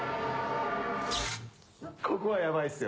ここはやばいですよ。